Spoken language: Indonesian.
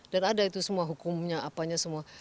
dan ada itu semua hukumnya apanya semua